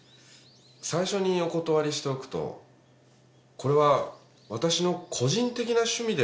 最初にお断りしておくとこれは私の個人的な趣味でお話を伺いに来ました。